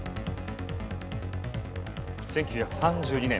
１９３２年。